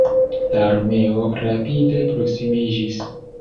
La armeo rapide proksimiĝis.